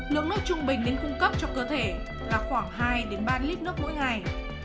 lượng nước trung bình đến cung cấp cho cơ thể là khoảng hai ba lít nước mỗi ngày